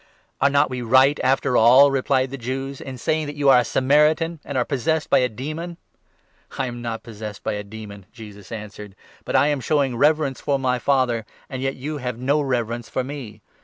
" "Are not we right, after all," replied the Jews, "in saying 48 that you are a Samaritan, and are possessed by a demon ?" "I am not possessed by a demon," Jesus answered, "but 49 I am showing reverence for my Father ; and yet you have no reverence for me.